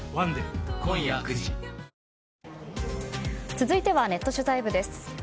続いては、ネット取材部です。